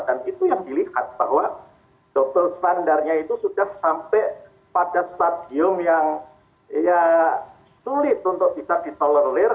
dan itu yang dilihat bahwa total standarnya itu sudah sampai pada stadium yang sulit untuk kita ditolerir